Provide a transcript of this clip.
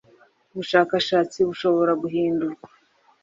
ubushakashatsi Bushobora guhindurwa